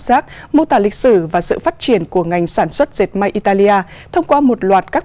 giác mô tả lịch sử và sự phát triển của ngành sản xuất dệt may italia thông qua một loạt các